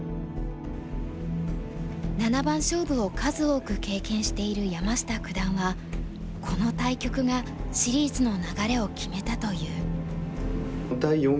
七番勝負を数多く経験している山下九段はこの対局がシリーズの流れを決めたと言う。